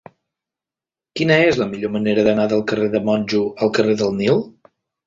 Quina és la millor manera d'anar del carrer de Monjo al carrer del Nil?